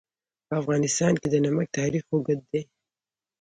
په افغانستان کې د نمک تاریخ اوږد دی.